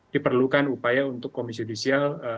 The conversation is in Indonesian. diperlukan upaya untuk komisi judisial